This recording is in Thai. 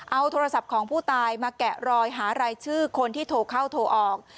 เอาโทรศัพท์ของผู้ตายมาแกะรอยหารายชื่อคนที่โทรเข้าโทรออก